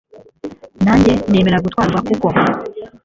nanjye nemera gutwarwa, kuko